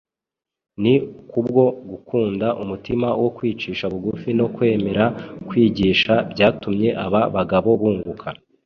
Ni kubwo gukunda umutima wo kwicisha bugufi no kwemera kwigishwa byatumye aba bagabo bunguka